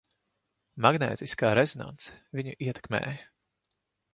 Magnētiskā rezonanse viņu ietekmēja.